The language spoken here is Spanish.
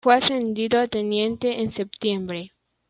Fue ascendido a teniente en setiembre.